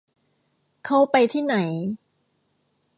เค้าไปที่ไหน